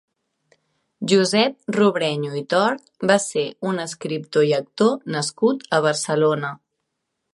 Josep Robrenyo i Tort va ser un escriptor i actor nascut a Barcelona.